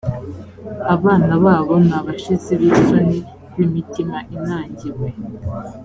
abana babo ni abashizi b isoni b imitima inangiwe